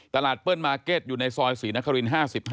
เปิ้ลมาร์เก็ตอยู่ในซอยศรีนคริน๕๕